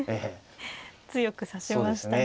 強く指しましたね。